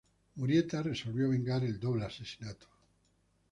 Murieta resolvió vengar el doble asesinato.